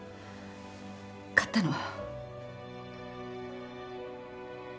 買ったの。